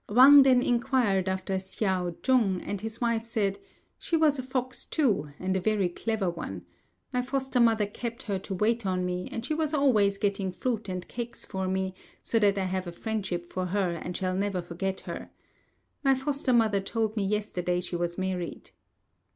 Wang then enquired after Hsiao jung, and his wife said, "She was a fox too, and a very clever one. My foster mother kept her to wait on me, and she was always getting fruit and cakes for me, so that I have a friendship for her and shall never forget her. My foster mother told me yesterday she was married."